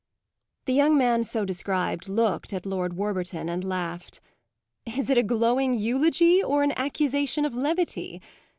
The young man so described looked at Lord Warburton and laughed. "Is it a glowing eulogy or an accusation of levity?